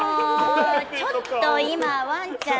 ちょっと今、ワンちゃん